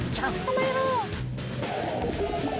捕まえろ！